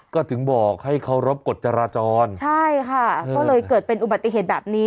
ก็ถึงบอกให้เคารพกฎจราจรใช่ค่ะก็เลยเกิดเป็นอุบัติเหตุแบบนี้